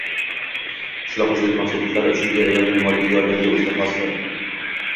Qishloq xo‘jaligi mahsulotlari uchun beriladigan moddiy yordamning o‘ziga hosligi